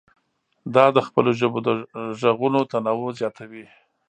دا د خپلو ژبو د غږونو تنوع زیاتوي.